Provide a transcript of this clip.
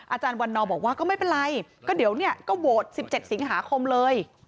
อาจารย์วันนอบอกว่าก็ไม่เป็นไรก็เดี๋ยวเนี่ยก็โหวต๑๗สิงหาคมเลย